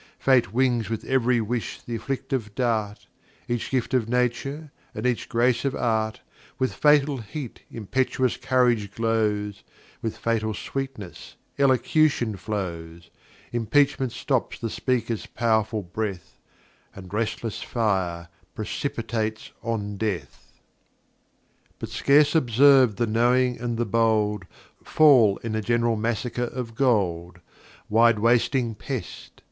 Fate wings with ev'ry Wish th' afflictive Dart, Each Gift of Nature, and each Grace of Art, With fatal Heat impetuous Courage glows, With fatal Sweetness Elocution flows, Impeachment stops the Speaker's pow'rful Breath, And restless Fire precipitates on Death. [Footnote a: Ver. 1 11.] [b]But scarce observ'd the Knowing and the Bold, Fall in the general Massacre of Gold; Wide wasting Pest!